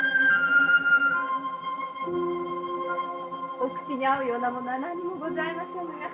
お口に合うようなものは何もございませぬが。